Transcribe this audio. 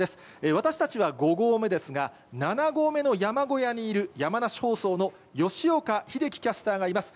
私たちは５合目ですが、７合目の山小屋にいる山梨放送の吉岡秀樹キャスターがいます。